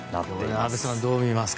安部さん、どう見ますか。